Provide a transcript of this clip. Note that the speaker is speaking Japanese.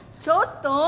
ちょっと！